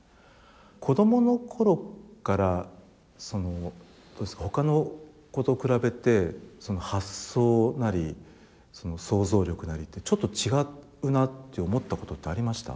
子供の頃からどうですか他の子と比べて発想なり想像力なりってちょっと違うなって思ったことってありました？